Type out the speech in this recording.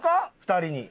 ２人に。